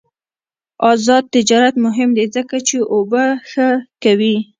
آزاد تجارت مهم دی ځکه چې اوبه ښه کوي.